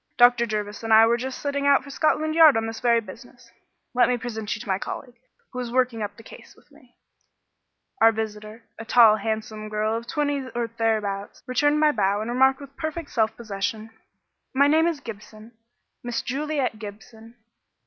"Dr. Jervis and I were just setting out for Scotland Yard on this very business. Let me present you to my colleague, who is working up the case with me." Our visitor, a tall handsome girl of twenty or thereabouts, returned my bow and remarked with perfect self possession, "My name is Gibson Miss Juliet Gibson.